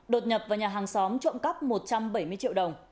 đột nhập vào nhà hàng xóm trộm cắp một trăm bảy mươi triệu đồng